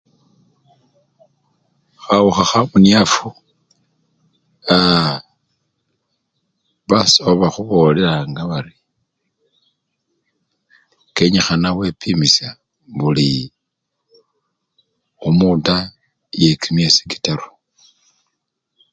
Khawukha khamunyafu aa! basawo bakhubolelanga bari kenyikhana wepimisya ngoli omunda yekimyesi kitaru.